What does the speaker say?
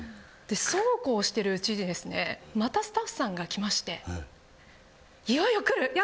でそうこうしてるうちにですねまたスタッフさんが来ましていよいよ来る！